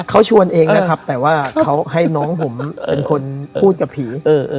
เขาชวนเองนะครับแต่ว่าเขาให้น้องผมเป็นคนพูดกับผี